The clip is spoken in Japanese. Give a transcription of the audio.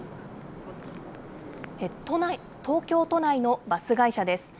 東京都内のバス会社です。